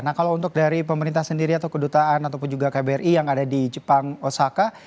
nah kalau untuk dari pemerintah sendiri atau kedutaan ataupun juga kbri yang ada di jepang osaka